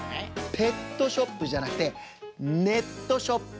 ペットショップじゃなくてネットショップ！